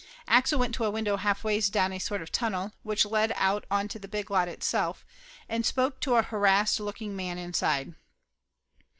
Axel went to a window half ways down a sort of tun nel, which led out onto the big lot itself, and spoke to a harassed looking man inside.